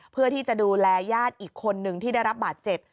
เพื่อที่จะดูแลญาติอีกคนนึงที่ได้รับบาดเจ็บ